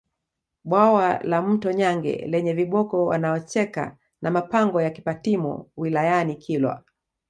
Bwawa la Mto Nyange lenye viboko wanaocheka na mapango ya Kipatimo wilayani Kilwa